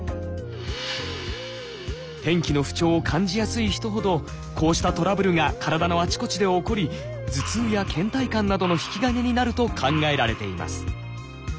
天気の不調を感じやすい人ほどこうしたトラブルが体のあちこちで起こり頭痛や倦怠感などの引き金になると考えられています。